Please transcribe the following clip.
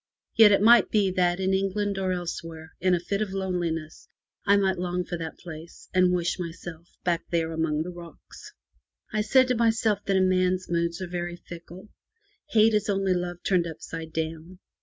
Yet it might be that in England or elsewhere, in a fit of loneliness, I might long for that place, and wish myself back there among the rocks. I said to myself that a man's moods are very fickle. Hate is only love turned upside down.